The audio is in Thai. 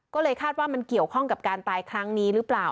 ก็เลยคาดว่ามันเกี่ยวข้องกับการตายครั้งนี้หรือเปล่า